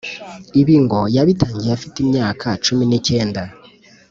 ibi ngo yabitangiye afite imyaka cumi n’ikenda